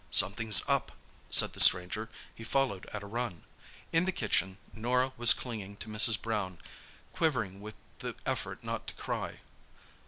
"Something's up," said the stranger. He followed at a run. In the kitchen Norah was clinging to Mrs. Brown, quivering with the effort not to cry.